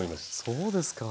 そうですか。